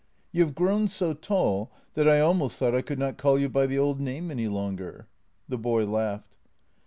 " You have grown so tall that I almost thought I could not call you by the old name any longer." The boy laughed.